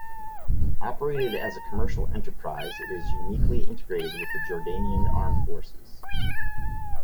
Operated as a commercial enterprise, it is uniquely integrated with the Jordanian Armed Forces.